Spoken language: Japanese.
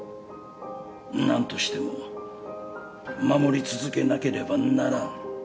何としても守り続けなければならん。